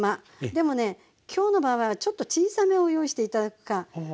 でもね今日の場合はちょっと小さめを用意して頂くかはい。